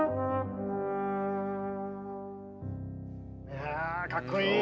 いやあかっこいい。